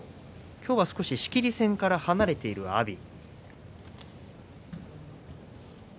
今日は少し仕切り線から離れている阿炎。